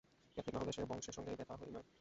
Catholic না হলে সে বংশের সঙ্গে বে-থা হয়ই না।